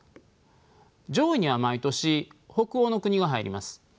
上位には毎年北欧の国が入ります。